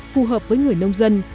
phù hợp với người nông dân